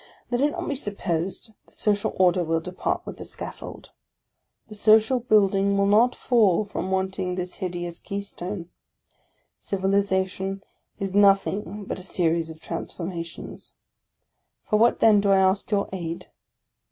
Let it not be supposed that social order will depart with the scaffold; the social building will not fall from wanting this hideous keystone. Civilization is nothing but a series of transformations. For what then do I ask your aid?